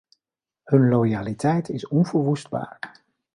Hun loyaliteit is onverwoestbaar.